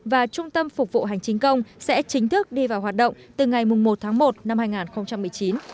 và trung tâm phục vụ hành chính công sẽ chính thức đi vào hoạt động từ ngày một tháng một năm hai nghìn một mươi chín